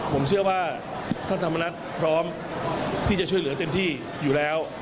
ผมเชื่อว่าท่านธรรมนัฐพร้อมที่จะช่วยเหลือเต็มที่อยู่แล้ว